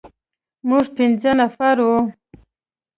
موږ پنځه نفر وو.